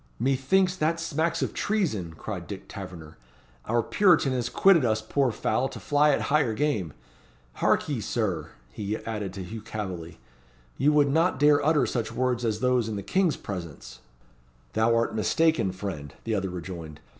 "Methinks that smacks of treason," cried Dick Taverner. "Our Puritan has quitted us poor fowl to fly at higher game. Hark ye, Sir!" he added to Hugh Calveley. "You would not dare utter such words as those in the King's presence." "Thou art mistaken, friend," the other rejoined.